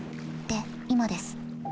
で今です。